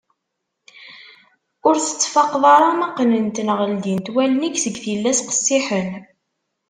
Ur tettfaqeḍ ara ma qqnent neɣ ldint wallen-ik seg tillas qessiḥen.